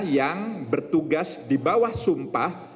yang bertugas di bawah sumpah